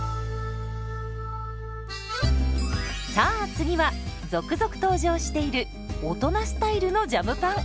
さあ次は続々登場している大人スタイルのジャムパン。